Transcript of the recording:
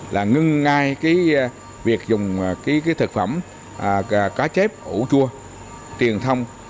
là ngưng ngay việc dùng thực phẩm cá chép ủ chua tiền thông